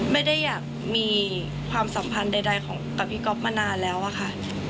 ไม่ได้อยากมีความสัมพันธ์ใดของกับพี่ก๊อฟมานานแล้วอะค่ะ